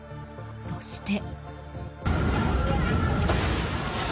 そして。